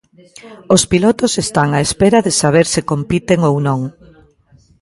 Os pilotos están á espera de saber se compiten ou non.